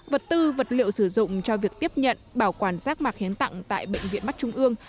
vật tư vật liệu sử dụng cho việc tiếp nhận bảo quản rác mạc hiến tặng tại bệnh viện mắt trung ương